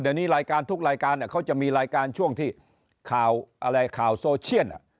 เดี๋ยวนี้รายการทุกรายการเขาจะมีรายการช่วงที่ข่าวอะไรข่าวโซเชียน